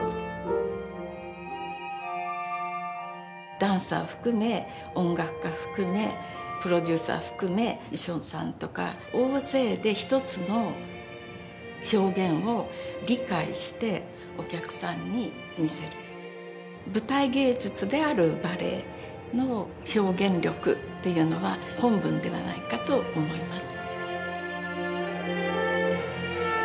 ダンサー含め音楽家含めプロデューサー含め衣装さんとか大勢で一つの表現を理解してお客さんに見せる舞台芸術であるバレエの表現力っていうのは本分ではないかと思います。